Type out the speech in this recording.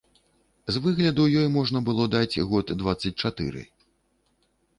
З выгляду ёй можна было даць год дваццаць чатыры.